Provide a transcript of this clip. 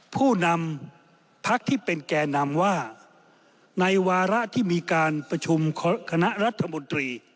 ผู้นำพักที่เป็นแก่นำว่าในวาระที่มีการประชุมคณะรัฐมนตรี